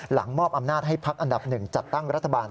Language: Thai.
มอบอำนาจให้พักอันดับ๑จัดตั้งรัฐบาล